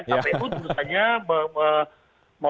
kpu tentu saja